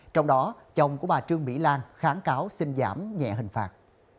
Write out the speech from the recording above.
trong đó chồng của bà trương mỹ lan kháng cáo xin giảm nhẹ hình phạt